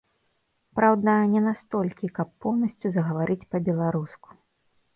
Праўда, не настолькі, каб поўнасцю загаварыць па-беларуску.